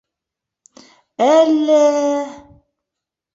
- Әллә...